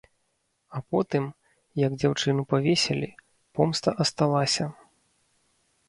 А потым, як дзяўчыну павесілі, помста асталася.